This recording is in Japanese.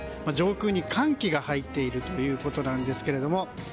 上空に寒気が入っているということなんですけれども。